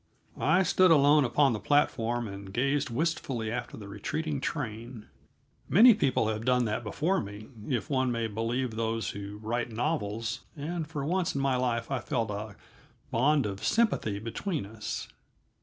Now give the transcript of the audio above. I stood alone upon the platform and gazed wistfully after the retreating train; many people have done that before me, if one may believe those who write novels, and for once in my life I felt a bond of sympathy between us.